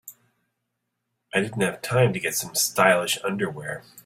I didn't have time to get some stylish underwear.